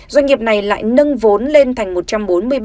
doanh nghiệp này lại nâng vốn lên một trăm bốn mươi ba một tỷ đồng